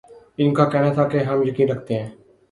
ان کا کہنا تھا کہ ہم یقین رکھتے ہیں